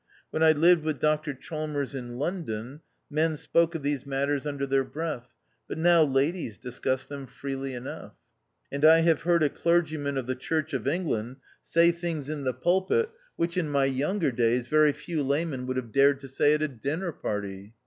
When I lived with Dr Chalmers in London, men spoke of these matters under their breath, but now ladies discuss them freely enough : 256 THE OUTCAST. and I have heard a clergyman of the Church of England say things in the pulpit which in my younger days very few lay men would have dared to say at a dinner party.